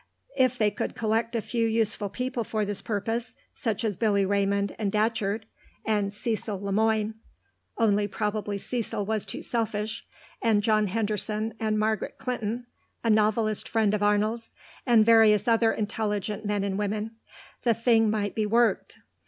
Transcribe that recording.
If they could collect a few useful people for this purpose, such as Billy Raymond, and Datcherd, and Cecil Le Moine (only probably Cecil was too selfish), and John Henderson, and Margaret Clinton (a novelist friend of Arnold's), and various other intelligent men and women, the thing might be worked.